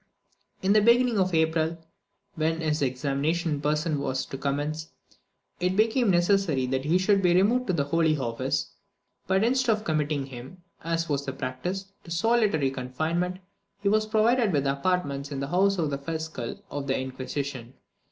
In the beginning of April, when his examination in person was to commence, it became necessary that he should be removed to the holy office; but instead of committing him, as was the practice, to solitary confinement, he was provided with apartments in the house of the fiscal of the Inquisition.